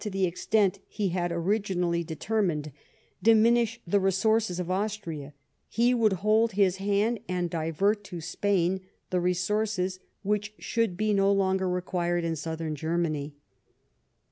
55 the extent he had originally determined, diminish the resources of Austria, he would hold his hand, and divert to Spain the resources which would be no longer required in Southern Germany.